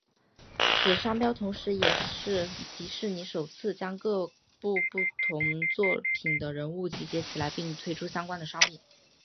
此商标同时也是迪士尼首次将各部不同作品的人物集结起来并推出相关的商品。